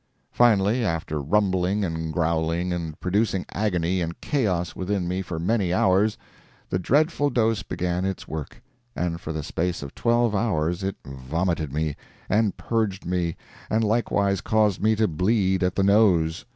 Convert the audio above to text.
Finally, after rumbling, and growling, and producing agony and chaos within me for many hours, the dreadful dose began its work, and for the space of twelve hours it vomited me, and purged me, and likewise caused me to bleed at the nose.